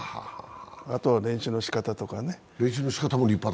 あとは練習のしかたとかね。